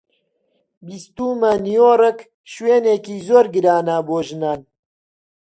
بیستوومە نیویۆرک شوێنێکی زۆر گرانە بۆ ژیان.